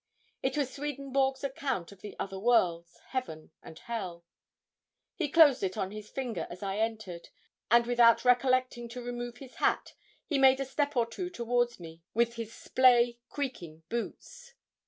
It was Swedenborg's account of the other worlds, Heaven and Hell. He closed it on his finger as I entered, and without recollecting to remove his hat, he made a step or two towards me with his splay, creaking boots.